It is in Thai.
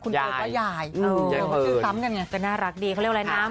คือสะเคราะห์สนิทกันมาก